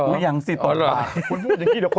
ไม่อย่างสิต่อไป